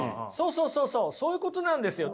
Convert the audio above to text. そうそうそういうことなんですよ。